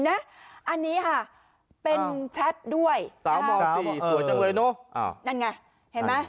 นั่นไงเห็นไหม